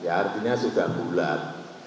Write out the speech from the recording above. artinya sudah bulat